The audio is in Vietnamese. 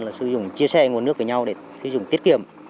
là sử dụng chia sẻ nguồn nước với nhau để sử dụng tiết kiệm